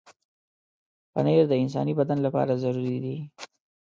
پنېر د انساني بدن لپاره ضروري دی.